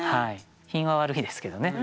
品は悪いですけどね。